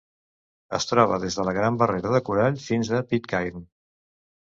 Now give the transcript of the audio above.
Es troba des de la Gran Barrera de Corall fins a Pitcairn.